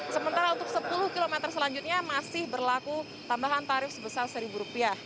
sementara untuk sepuluh km selanjutnya masih berlaku tambahan tarif sebesar rp satu